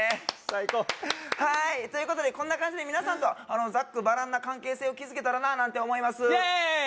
最高はいということでこんな感じで皆さんとざっくばらんな関係性を築けたらななんて思いますイエーイ！